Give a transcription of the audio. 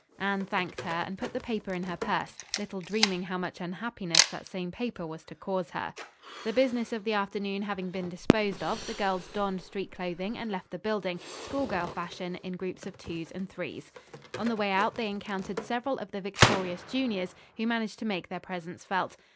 Anne thanked her, and put the paper in her purse, little dreaming how much unhappiness that same paper was to cause her. The business of the afternoon having been disposed of, the girls donned street clothing and left the building, schoolgirl fashion, in groups of twos and threes. On the way out they encountered several of the victorious juniors, who managed to make their presence felt.